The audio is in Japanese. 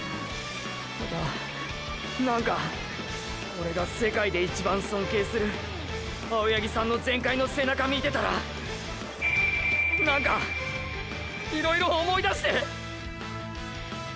ただなんかオレが世界で一番尊敬する青八木さんの全開の背中見てたらなんかいろいろ思い出して。